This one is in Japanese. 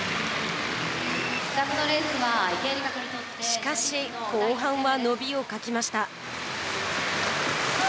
しかし、後半は伸びを欠きました。